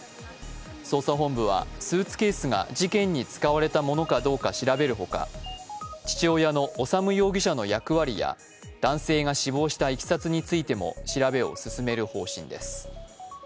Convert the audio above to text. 捜査本部はスーツケースが事件に使われたものかどうか調べるほか父親の修容疑者の役割や男性が死亡したいきさつについても調べを進める方針です。